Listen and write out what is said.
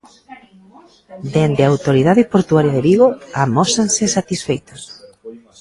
Dende a Autoridade Portuaria de Vigo amósanse satisfeitos.